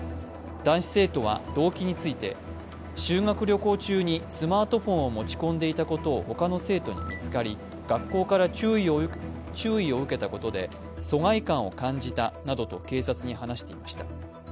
男子生徒は動機について修学旅行中にスマートフォンを持ち込んでいたことを他の生徒に見つかり学校から注意を受けたことで疎外感を感じたなどと警察に話していました。